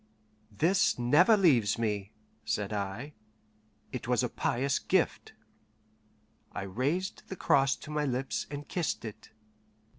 "This never leaves me," said I; "it was a pious gift." I raised the cross to my lips, and kissed it.